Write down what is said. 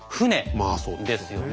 まあそうですよね。